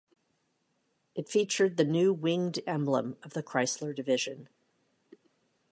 It featured the new winged emblem of the Chrysler division.